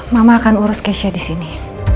mama akan urus kesha di sini